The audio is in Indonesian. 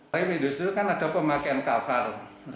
pemilu industri itu kan ada pemakaian kavhr